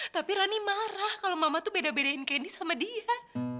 tapi rani marah kalau mama tuh beda bedain kenny sama dia